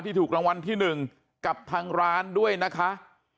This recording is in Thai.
ถูกรางวัลที่๑กับทางร้านด้วยนะคะ